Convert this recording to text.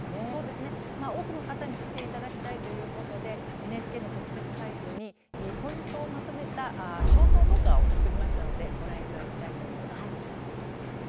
そうですね、多くの人に知ってもらいたいということでＮＨＫの特設サイトにポイントをまとめたショート動画を作りましたのでご覧いただきたいと思います。